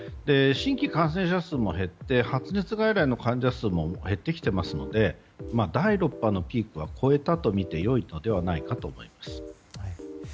新規感染者数も減って発熱外来の患者数も減ってきていますので第６波のピークは越えたとみてよいのではないかと思います。